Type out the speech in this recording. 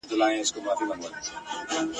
ایوب خان انګرېزان مانده ته را شوه کړي دي.